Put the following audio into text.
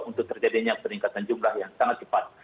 untuk terjadinya peningkatan jumlah yang sangat cepat